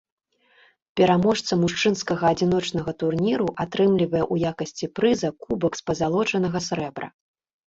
Пераможца мужчынскага адзіночнага турніру атрымлівае ў якасці прыза кубак з пазалочанага срэбра.